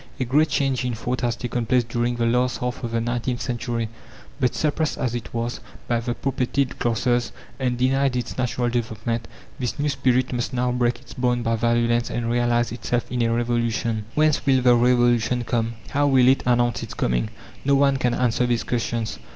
A great change in thought has taken place during the last half of the nineteenth century; but suppressed, as it was, by the propertied classes, and denied its natural development, this new spirit must now break its bonds by violence and realize itself in a revolution. Whence will the revolution come? how will it announce its coming? No one can answer these questions.